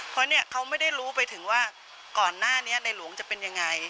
เพราะเนี่ยเขาไม่ได้รู้ไปถึงว่าก่อนหน้านี้ในหลวงจะเป็นยังไง